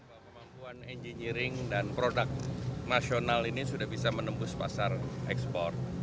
bahwa kemampuan engineering dan produk nasional ini sudah bisa menembus pasar ekspor